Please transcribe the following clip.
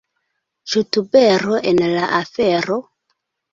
Ĉu tubero en la afero?